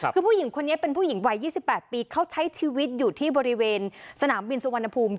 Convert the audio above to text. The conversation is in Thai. คือผู้หญิงคนนี้เป็นผู้หญิงวัย๒๘ปีเขาใช้ชีวิตอยู่ที่บริเวณสนามบินสุวรรณภูมิ